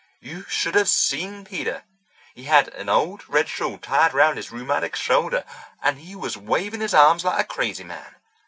You should have seen Peter. He had an old red shawl tied round his rheumatic shoulder, and he was waving his arms like a crazy man.